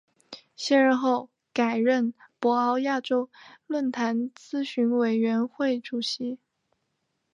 卸任后改任博鳌亚洲论坛咨询委员会主席。